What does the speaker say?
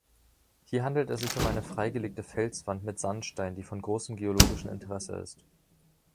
Hier handelt es sich um eine freigelegte Felswand mit Sandstein, die von großem geologischen Interesse ist.